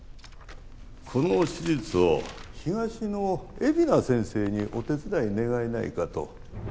この手術を東の海老名先生にお手伝い願えないかと。